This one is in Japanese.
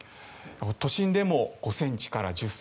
都心でも５ｃｍから１０ｃｍ。